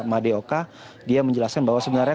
madeoka dia menjelaskan bahwa sebenarnya